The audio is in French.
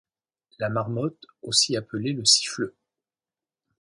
La marmotte aussi appelée le siffleux